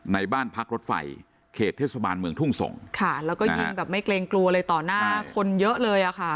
ในบ้านพักรถไฟเขตเทศบาลเมืองทุ่งส่งค่ะแล้วก็ยิงแบบไม่เกรงกลัวเลยต่อหน้าคนเยอะเลยอ่ะค่ะ